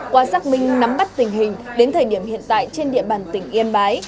qua xác minh nắm bắt tình hình đến thời điểm hiện tại trên địa bàn tỉnh yên bái